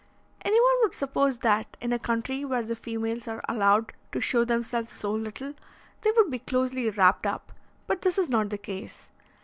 Any one would suppose that, in a country where the females are allowed to show themselves so little, they would be closely wrapped up; but this is not the case.